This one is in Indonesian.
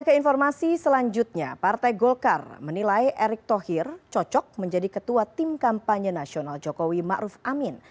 pada keinformasi selanjutnya partai golkar menilai erick thohir cocok menjadi ketua tim kampanye nasional jokowi ma'ruf amin